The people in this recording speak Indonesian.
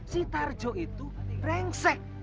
si tarjo itu rengsek